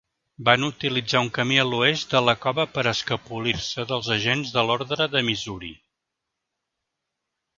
Van utilitzar un camí a l'oest de la cova per escapolir-se dels agents de l'ordre de Missouri.